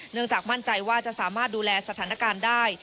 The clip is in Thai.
จากมั่นใจว่าจะสามารถดูแลสถานการณ์ได้